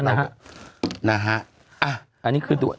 อันนี้คือด่วน